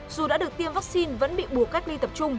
dù đã được tiêm vaccine vẫn bị buộc cách ly tập trung